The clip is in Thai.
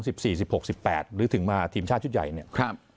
สิบสี่สิบหกสิบแปดหรือถึงมาทีมชาติชุดใหญ่เนี่ยครับ